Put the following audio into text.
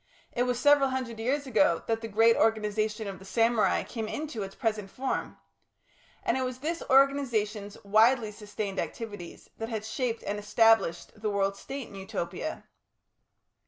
It was several hundred years ago that the great organisation of the samurai came into its present form. And it was this organisation's widely sustained activities that had shaped and established the World State in Utopia.